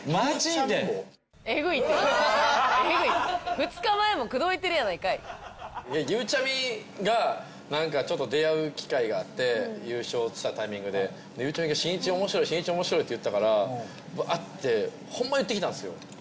２日前も口説いてるやないかいゆうちゃみが何かちょっと出会う機会があって優勝したタイミングででゆうちゃみが「しんいち面白いしんいち面白い」って言ったからバッてホンマ言ってきたんすよ